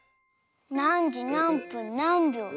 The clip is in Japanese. なんじなんぷんなんびょう？